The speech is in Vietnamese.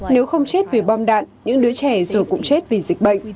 nếu không chết vì bom đạn những đứa trẻ rồi cũng chết vì dịch bệnh